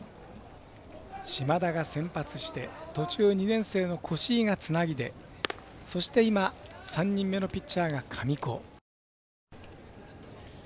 島田が先発して途中、２年生の越井がつないでそして今３人目のピッチャーが神子。